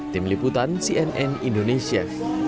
tim liputan cnn indonesia